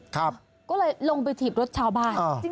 ก็เลยลงไปถีบรถชาวบ้าน